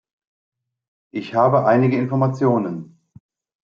Ich habe einige Informationen.